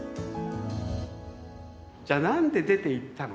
じゃなんで出ていったのか。